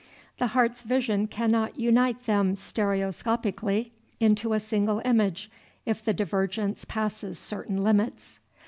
The heart's vision cannot unite them stereoscopically into a single image, if the divergence passes certain limits.